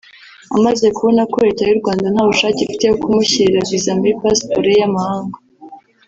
Amaze kubona ko leta y’u Rwanda ntabushake ifite bwo kumushyirira visa muri pasiporo ye y’amahanga